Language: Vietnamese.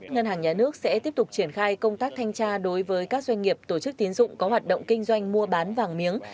ngân hàng nhà nước sẽ tiếp tục triển khai công tác thanh tra đối với các doanh nghiệp tổ chức tiến dụng có hoạt động kinh doanh mua bán vàng miếng